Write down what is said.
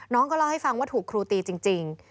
น้องก็เล่าให้ฟังว่าถูกครูตีจริง